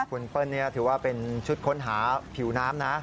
คุณเปิ้ลถือว่าเป็นชุดค้นหาผิวน้ำนะ